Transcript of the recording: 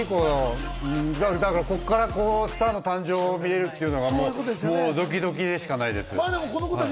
ここからスターの誕生が見られるのがもうドキドキしかないです。